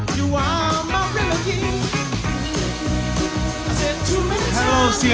ini adalah video saya